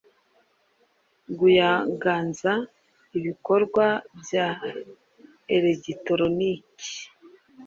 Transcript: Guyangaza ibikorwa bya elegitoroniki